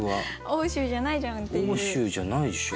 欧州じゃないでしょっていう。